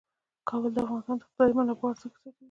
کابل د افغانستان د اقتصادي منابعو ارزښت زیاتوي.